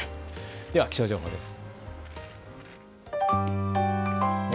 では気象情報です。